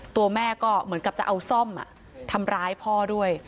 ตัวแม่ก็เหมือนกับจะเอาซ่อมทำร้ายพ่อด้วย